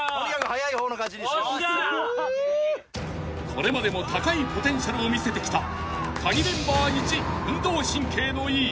［これまでも高いポテンシャルを見せてきたカギメンバーいち運動神経のいい］